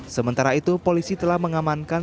sementara itu polisi telah mengamankan